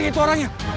itu orang nya